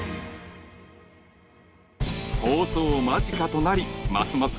放送間近となりますます